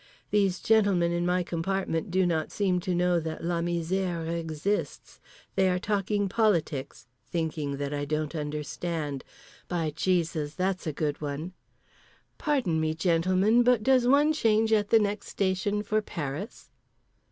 These gentlemen in my compartment do not seem to know that La Misère exists. They are talking politics. Thinking that I don't understand. By Jesus, that's a good one. "Pardon me, gentlemen, but does one change at the next station for Paris?"